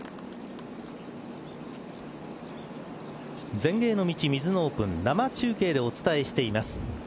全英への道ミズノオープン生中継でお伝えしています。